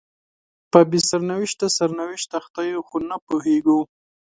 په بې سرنوشته سرنوشت اخته یو خو نه پوهیږو